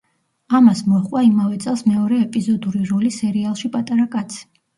ამას მოჰყვა იმავე წელს მეორე ეპიზოდური როლი სერიალში „პატარა კაცი“.